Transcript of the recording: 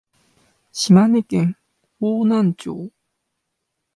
島根県邑南町